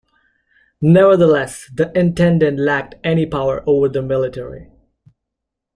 Nevertheless, the intendant lacked any power over the military.